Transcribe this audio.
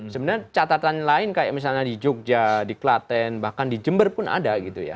sebenarnya catatan lain kayak misalnya di jogja di klaten bahkan di jember pun ada gitu ya